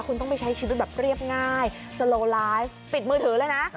คุณต้องไปใช้ชีวิตแบบเรียบง่ายสโลไลฟ์ปิดมือถือเลยนะ